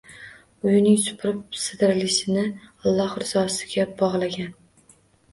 Uyining supurib- sidirilishini Alloh rizosiga bog'lagan